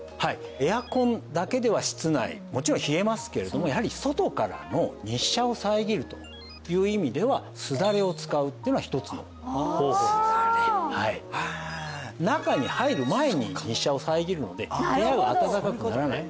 エアコンだけでは室内もちろん冷えますけれどもやはり外からの日射を遮るという意味ではすだれを使うっていうのは一つの方法すだれへえ中に入る前に日射を遮るので部屋が暖かくならない